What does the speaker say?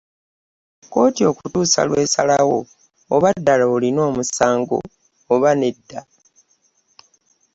Kkooti okutuusa lwesalawo oba ddala olina omusango oba nedda.